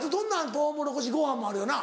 とうもろこしご飯もあるよな。